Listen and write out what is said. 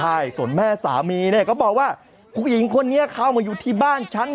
ใช่ส่วนแม่สามีเนี่ยก็บอกว่าผู้หญิงคนนี้เข้ามาอยู่ที่บ้านฉัน